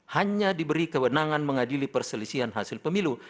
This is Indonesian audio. hanya diberi kewenangan mengadili perselisihan hasil pemilu